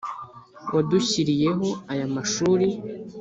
wadushyiriyeho aya mashuri